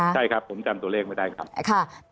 ใช่ครับผมจำตัวเลขไม่ได้ครับ